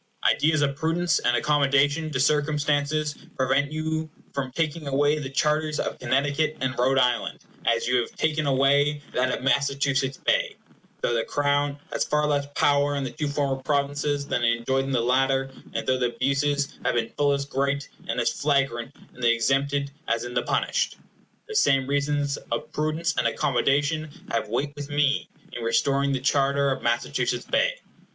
Ideas of prudence and accommodation to circumstances prevent you from taking away the charters of Connecticut and Rhode Island, as you have taken away that of Massachusetts Bay, though the Crown has far less power in the two former provinces than it enjoyed in the latter, and though the abuses have been full as great, and as flagrant, in the exempted as in the punished. The same reasons of prudence and accommodation have weight with me in restoring the charter of Massachusetts Bay.